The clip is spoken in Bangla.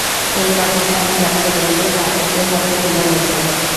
এটি পাকিস্তানের রাষ্ট্রপতি প্রাপকদের হাতে তুলে দিতেন।